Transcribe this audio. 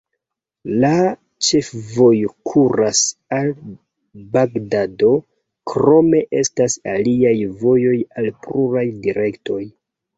La ĉefvojo kuras al Bagdado, krome estas aliaj vojoj al pluraj direktoj.